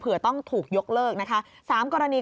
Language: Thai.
ต้องถูกยกเลิกนะคะ๓กรณี